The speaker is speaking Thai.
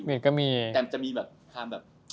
แต่มันน่ะจะมีความแบบ